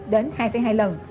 đến hai hai lần